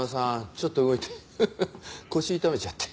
ちょっと動いてフフッ腰痛めちゃって。